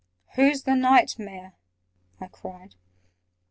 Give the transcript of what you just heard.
"Who's the Knight Mayor?" I cried.